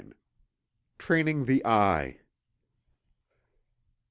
TRAINING THE EYE.